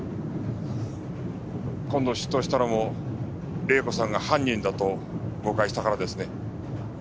今度出頭したのも玲子さんが犯人だと誤解したからですね。